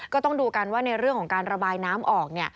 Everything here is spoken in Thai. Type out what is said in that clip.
ก็ต้องดูกันว่าในเรื่องของการระบายน้ำออก